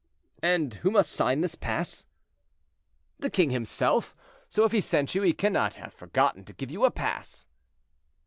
"And who must sign this pass?" "The king himself; so if he sent you he cannot have forgotten to give you a pass."